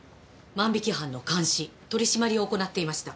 万引き犯の監視取り締まりを行っていました。